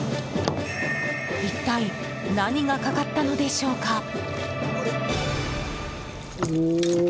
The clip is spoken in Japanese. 一体、何がかかったのでしょうか。